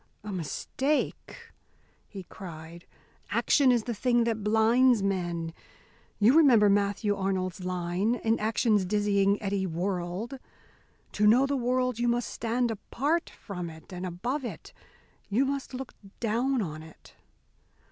"A mistake!" he cried. "Action is the thing that blinds men. You remember Matthew Arnold's line: In action's dizzying eddy whurled. To know the world you must stand apart from it and above it; you must look down on it."